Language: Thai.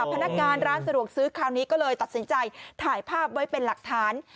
พนักงานร้านสะดวกซื้อคราวนี้ก็เลยตัดสินใจถ่ายภาพไว้เป็นหลักฐาน